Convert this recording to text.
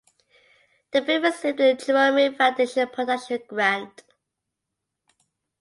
The film received the Jerome Foundation Production Grant.